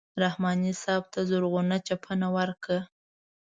رحماني صاحب ته زرغونه چپنه ورکړه.